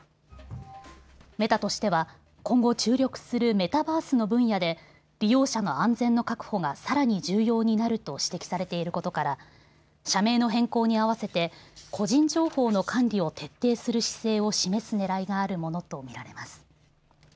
メタとしては今後注力するメタバースの分野で利用者の安全の確保がさらに重要になると指摘されていることから社名の変更に合わせて個人情報の管理を徹底する姿勢を示すねらいがあるものと見られます。